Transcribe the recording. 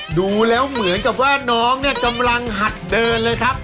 โอ้โฮดูแล้วเหมือนกับว่าน้องกำลังหัดเดินเลยครับ